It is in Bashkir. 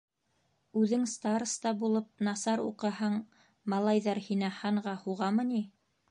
Үҙең староста булып насар уҡыһаң, малайҙар һине һанға һуғамы ни?